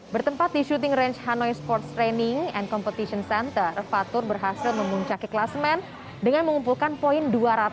bertempat di shooting range hanoi sports training and competition center fatur berhasil memuncaki klasmen dengan mengumpulkan poin dua ratus empat puluh tujuh empat